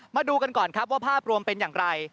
มาดูกันก่อนครับว่าภาพรวมเป็นอย่างไร